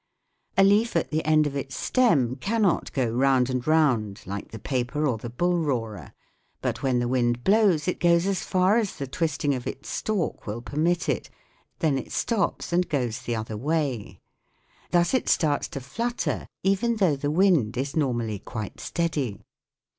A leaf at the end of its stem cannot go round and round like the paper or the bull roarer, but when the wind blows it goes as far as the twisting of its stalk will permit it, then it stops and goes the other way. Thus it starts to flutter even though the wind is normally quite steady.